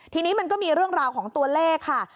ทีนี้มันก็มีเรื่องราวของตัวเลขค่ะ